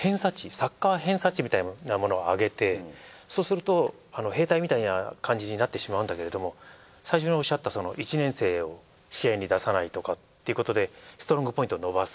サッカー偏差値みたいなものを上げてそうすると兵隊みたいな感じになってしまうんだけれども最初におっしゃった１年生を試合に出さないとかっていうことでストロングポイントを伸ばす。